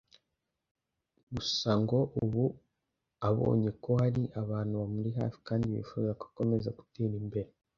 Gusa ngo ubu abonye ko hari abantu bamuri hafi kandi bifuza ko akomeza gutera imbere